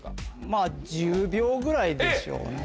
まぁ１０秒ぐらいでしょうね。